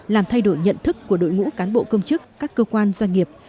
làm thay đổi nhận thức của đội ngũ cán bộ công chức các cơ quan doanh nghiệp